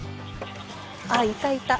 あっいたいた。